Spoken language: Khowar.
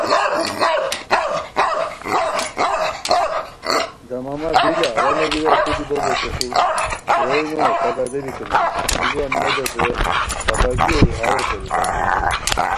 دمامہ دی لہ اوا نوبیروا تودی بو بوشیسو، روئے نو تہ گدیری کونیان کیہ ہمی لُووان مودیت رے خفاگیو اظہارو کوریتائے